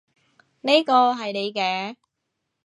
呢個係你嘅